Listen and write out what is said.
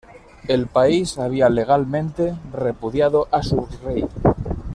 El país había legalmente repudiado a su rey.